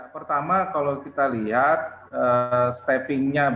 pertama kalau kita lihat steppingnya